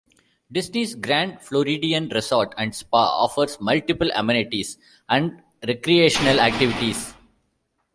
Disney's Grand Floridian Resort and Spa offers multiple amenities and recreational activities.